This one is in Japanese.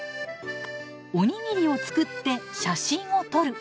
おにぎりを作って写真を撮る。